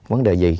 vấn đề gì